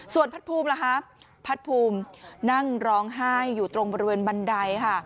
ส่วนพัดภูมิล่ะครับพัดภูมินั่งร้องไห้อยู่ตรงบริเวณบันไดค่ะ